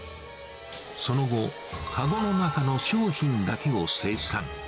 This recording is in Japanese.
その後、籠の中の商品だけを精算。